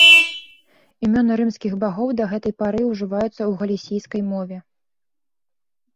Імёны рымскіх багоў да гэтай пары ўжываюцца ў галісійскай мове.